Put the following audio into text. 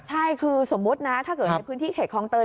ใช่คือสมมุตินะถ้าเกิดในพื้นที่เขตคลองเตย